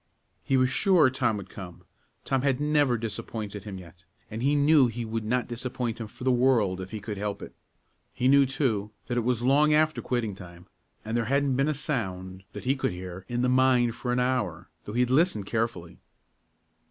He was sure Tom would come; Tom had never disappointed him yet, and he knew he would not disappoint him for the world if he could help it. He knew, too, that it was long after quitting time, and there hadn't been a sound, that he could hear, in the mine for an hour, though he had listened carefully.